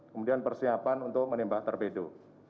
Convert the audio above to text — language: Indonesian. kemudian persiapan untuk menembak torpedo